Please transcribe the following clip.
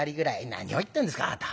「何を言ってんですかあなた。